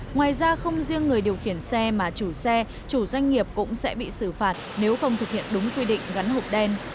ngoài ra không riêng người điều khiển xe mà chủ xe chủ doanh nghiệp cũng sẽ bị xử phạt nếu không thực hiện đúng quy định gắn hộp đen